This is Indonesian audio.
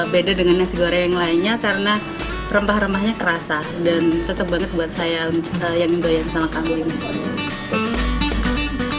beda dengan nasi goreng yang lainnya karena rempah rempahnya kerasa dan cocok banget buat saya yang dibayar sama kambing